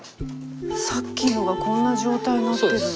さっきのがこんな状態になってる。